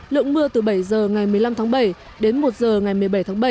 lượng mưa từ bảy h ngày một mươi năm tháng bảy đến một h ngày một mươi bảy tháng bảy